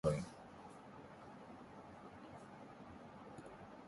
Less substantial lochs include the following.